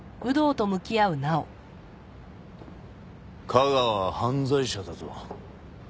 架川は犯罪者だぞ。